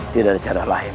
tidak ada cara lain